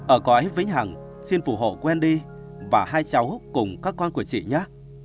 ở cõi vĩnh hằng xin phụ hộ wendy và hai cháu cùng các con của chị nhé